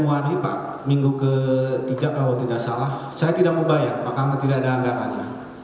memahami pak minggu ketiga kalau tidak salah saya tidak mau bayar pak karena tidak ada anggarannya